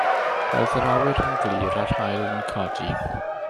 Roedd yr awyr yn glir a'r haul yn codi.